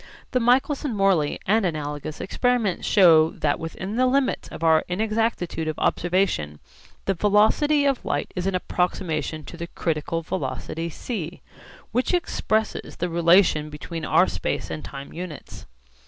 The Michelson Morley and analogous experiments show that within the limits of our inexactitude of observation the velocity of light is an approximation to the critical velocity 'c' which expresses the relation between our space and time units.